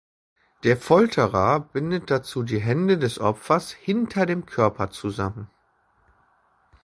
Der Folterer bindet dazu die Hände des Opfers hinter dem Körper zusammen.